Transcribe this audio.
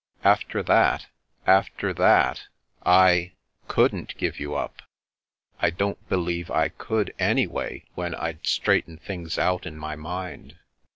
After that — after that — ^I — couldn't give you up. I don't believe I could, an)rway, when I'd straightened things out in my mind.